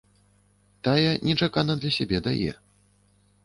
Тая нечакана для сябе дае.